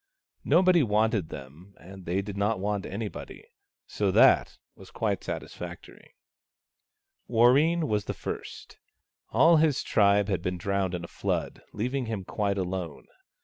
Nobody wanted them, and they did not want anybody. So that was quite satis factory. Warreen was the first. All his tribe had been drowned in a flood, leaving him quite alone.